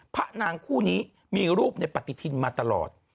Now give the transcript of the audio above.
พระนางคู่นี้มีรูปในปฏิทินมาตลอด